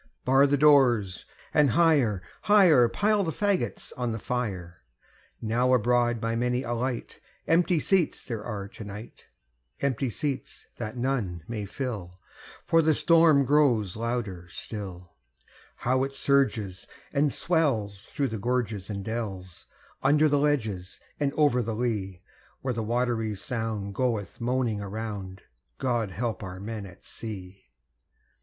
Bar the doors, and higher, higher Pile the faggots on the fire: Now abroad, by many a light, Empty seats there are to night Empty seats that none may fill, For the storm grows louder still: How it surges and swells through the gorges and dells, Under the ledges and over the lea, Where a watery sound goeth moaning around God help our men at sea!